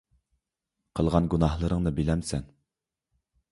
قىلغان گۇناھلىرىڭنى بىلەمسەن؟